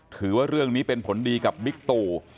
ถือว่าเรื่องนี้เป็นผลดีกับบิ๊กตู